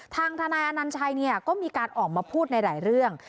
ทางทนายอนัญชัยก็มีการออกมาพูดในหลายเรื่อง